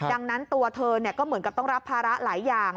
ดังนั้นตัวเธอก็เหมือนกับต้องรับภาระหลายอย่าง